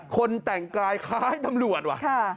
คนแต่งกายคล้ายตำรวจว่ะ